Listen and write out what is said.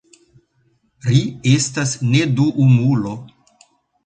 Ri estas neduumulo.